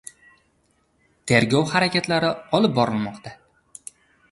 Tergov harakatlari olib borilmoqda.